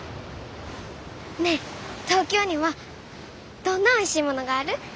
ねえ東京にはどんなおいしいものがある？